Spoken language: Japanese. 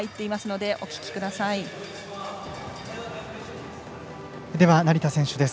では、成田選手です。